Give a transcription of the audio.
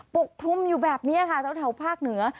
ปกคลุมอยู่แบบนี้ค่ะแถวภาคเหนือ